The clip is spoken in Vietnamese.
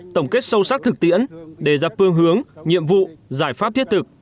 tổng kết sâu sắc thực tiễn đề ra phương hướng nhiệm vụ giải pháp thiết thực